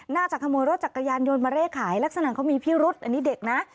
ขโมยรถจักรยานยนต์มาเร่ขายลักษณะเขามีพิรุษอันนี้เด็กนะ